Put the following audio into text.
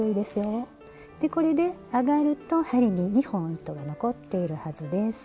でこれで上がると針に２本糸が残っているはずです。